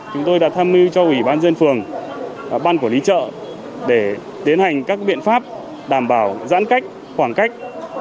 chúng tôi đã tham mưu cho ủy ban dân phường ban quản lý chợ để tiến hành các biện pháp đảm bảo giãn cách khoảng cách